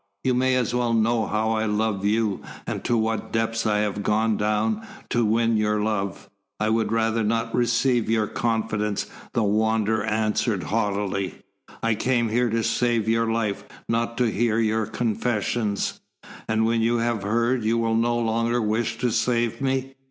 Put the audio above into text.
You may as well know how I love you, and to what depths I have gone down to win your love." "I would rather not receive your confidence," the Wanderer answered haughtily. "I came here to save your life, not to hear your confessions." "And when you have heard, you will no longer wish to save me.